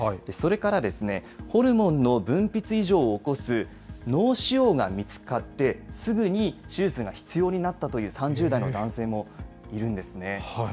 それからですね、ホルモンの分泌異常を起こす脳腫瘍が見つかって、すぐに手術が必要になったという３０代の男性もいるんですね。